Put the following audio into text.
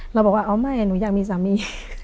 เราบอกว่าอ๋อไม่หนูอยากมีสามี